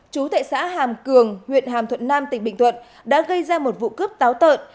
chú tại xã hàm cường huyện hàm thuận nam tỉnh bình thuận đã gây ra một vụ cướp táo tợn